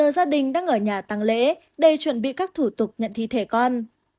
gia đình đang ở nhà tăng lễ để chuẩn bị các thủ tục nhận thi thể con